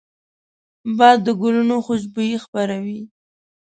باد د ګلونو خوشبويي خپروي